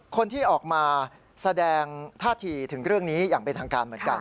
คนที่ออกมาแสดงท่าทีถึงเรื่องนี้อย่างเป็นทางการเหมือนกัน